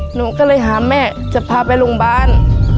หนูก็เลยหาแม่จะพาไปโรงพยาบาล